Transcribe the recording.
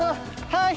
はい！